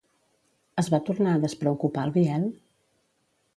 Es va tornar a despreocupar el Biel?